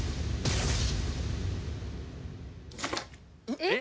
えっ！？